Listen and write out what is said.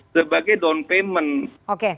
sebagai down payment